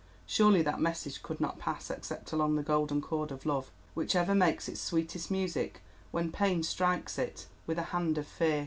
Surely that message could not pass except along the golden chord of love, which ever makes its sweetest music when Pain strikes it with a hand of fear.